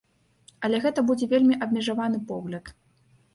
Але гэта будзе вельмі абмежаваны погляд.